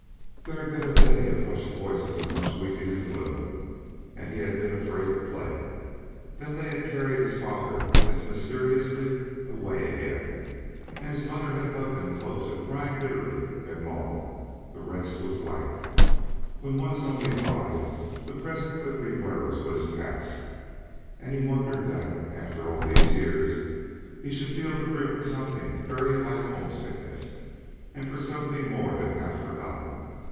There had been a day of hushed voices and much weeping and gloom, and he had been afraid to play. Then they had carried his father as mysteriously away again, and his mother had hugged him close and cried bitterly and long. The rest was blank. When one is only five, the present quickly blurs what is past, and he wondered that, after all these years, he should feel the grip of something very like homesickness and for something more than half forgotten.